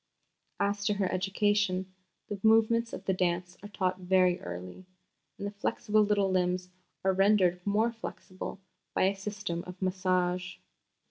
As to her education, the movements of the dance are taught very early, and the flexible little limbs are rendered more flexible by a system of massage.